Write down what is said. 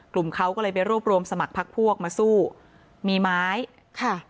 กลุ่มเขาก็เลยไปรวบรวมสมัครพักพวกมาสู้มีไม้ค่ะ